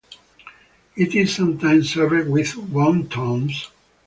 It is sometimes served with wontons.